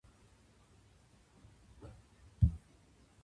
私は恐竜です